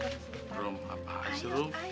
rum apaan sih rum